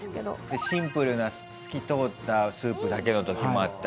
シンプルな透き通ったスープだけの時もあったり。